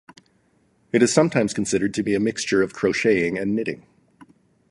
It is sometimes considered to be a mixture of crocheting and knitting.